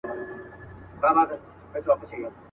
پر مردارو وي راټول پر لویو لارو.